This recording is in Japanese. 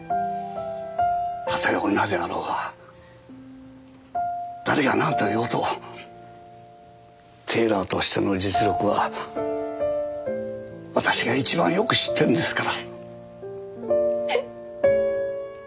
たとえ女であろうが誰がなんと言おうとテーラーとしての実力は私が一番よく知ってんですから。